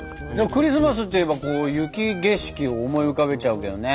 「クリスマス」っていえば雪景色を思い浮かべちゃうけどね。